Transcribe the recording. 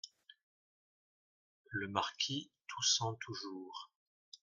Le Marquis , toussant toujours.